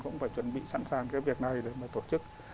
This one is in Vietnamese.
cũng phải chuẩn bị sẵn sàng cái việc này để mà tổ chức